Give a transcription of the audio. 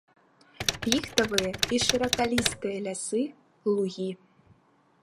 Піхтавыя і шыракалістыя лясы, лугі.